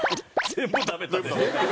全部食べた。